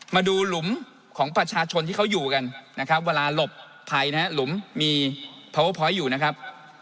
มาดูหลุมของประชาชนที่เขาอยู่กันนะครับเวลาหลบภัยนะฮะหลุมมีพาเวอร์พอยต์อยู่นะครับ